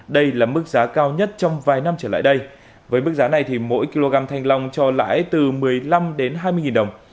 đây là mức giá cao nhất trong vài năm trở lại đây với mức giá này thì mỗi kg thanh long cho lãi từ một mươi năm đến hai mươi đồng